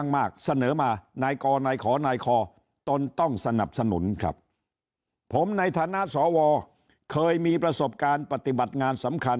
ผมในฐานะสวเคยมีประสบการณ์ปฏิบัติงานสำคัญ